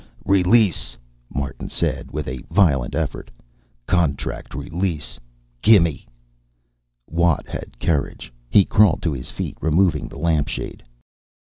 Ur release," Martin said, with a violent effort. "Contract release. Gimme." Watt had courage. He crawled to his feet, removing the lamp shade.